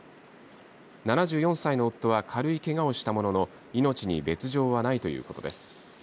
７４歳の夫は軽いけがをしたものの命に別条はないということです。